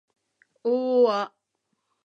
を―あ